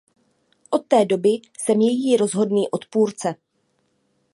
Od té doby jsem její rozhodný odpůrce.